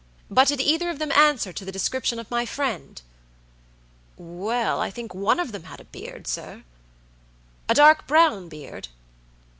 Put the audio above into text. But did either of them answer to the description of my friend?" "Well, I think one of them had a beard, sir." "A dark brown beard?"